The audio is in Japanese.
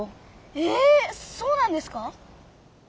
えそうなんですか？